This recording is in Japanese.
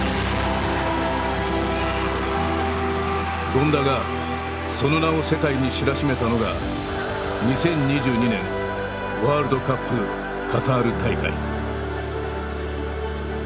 権田がその名を世界に知らしめたのが２０２２年ワールドカップ・カタール大会。